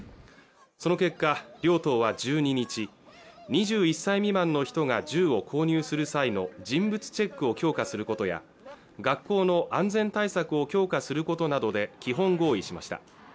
その結果両党は１２日２１歳未満の人が銃を購入する際の人物チェックを強化することや学校の安全対策を強化することなどで基本合意しました